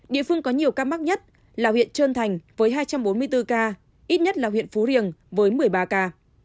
địa phương có nhiều ca mắc nhất là huyện trơn thành với hai trăm bốn mươi bốn ca ít nhất là huyện phú riềng với một mươi ba ca